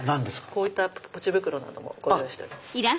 こういったぽち袋などもご用意しております。